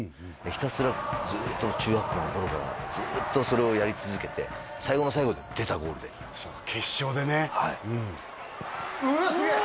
ひたすらずっと中学校の頃からずっとそれをやり続けて最後の最後で出たゴールでそっか決勝でねはいうわすげえ！